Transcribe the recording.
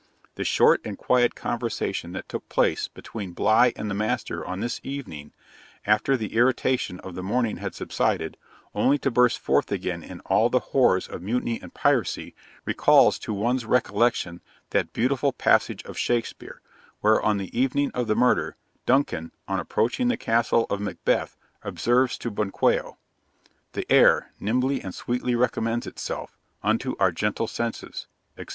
The short and quiet conversation that took place between Bligh and the master on this evening, after the irritation of the morning had subsided, only to burst forth again in all the horrors of mutiny and piracy, recalls to one's recollection that beautiful passage of Shakespeare, where, on the evening of the murder, Duncan, on approaching the castle of Macbeth, observes to Banquo 'The air Nimbly and sweetly recommends itself Unto our gentle senses,' etc.